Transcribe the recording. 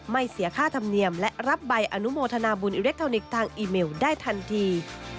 เสียค่าธรรมเนียมและรับใบอนุโมทนาบุญอิเล็กทรอนิกส์ทางอีเมลได้ทันที